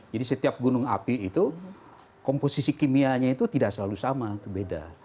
jadi setiap gunung api itu komposisi kimianya itu tidak selalu sama itu beda